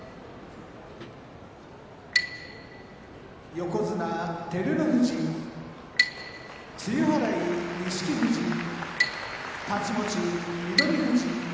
横綱照ノ富士露払い錦富士太刀持ち翠富士。